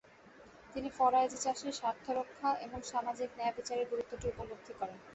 তিনি ফরায়েজি চাষীর স্বার্থরক্ষা এবং সামাজিক ন্যায়বিচারের গুরুত্বটি উপলব্ধি করেন।